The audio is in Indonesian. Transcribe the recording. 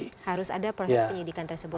harus ada proses penyidikan tersebut